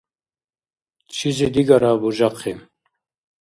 Чизи-дигара бужахъи.